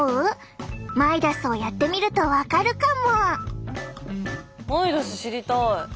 マイダスをやってみると分かるかも。